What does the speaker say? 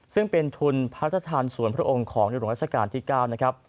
ซึ่งเป็นทุนพระราชทานส่วนพระองค์ของในหลวงราชการที่๙นะครับ